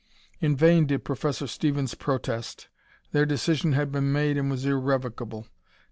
In vain did Professor Stevens protest. Their decision had been made and was irrevocable.